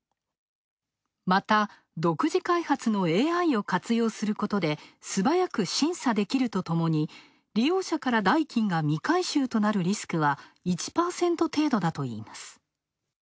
また、独自開発のＡＩを活用することですばやく審査できるとともに利用者から代金を未回収となるリスクは１％程度だといいます。